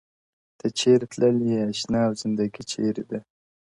ته چیري تللی یې اشنا او زندګي چیري ده،